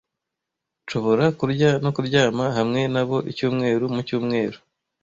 Nshobora kurya no kuryama hamwe nabo icyumweru mucyumweru.